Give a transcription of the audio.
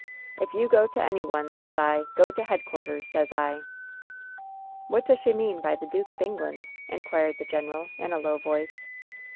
If you go to any one, sez I, go to headquarters, sez 1 1" "What does she mean by the ^duke of England' ?" in quired the general, in a low voice.